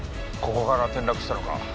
ここから転落したのか？